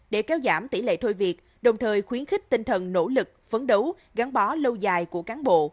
để kéo giảm tỷ lệ thôi việc đồng thời khuyến khích tinh thần nỗ lực phấn đấu gắn bó lâu dài của cán bộ